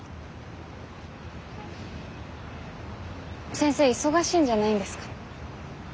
先生忙しいんじゃないんですか？